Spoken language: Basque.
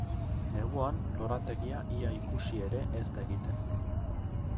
Neguan lorategia ia ikusi ere e da egiten.